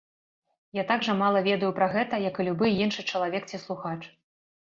Я так жа мала ведаю пра гэта, як і любы іншы чалавек ці слухач.